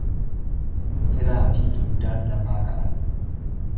Firaafi dugdaan lafaa ka'an.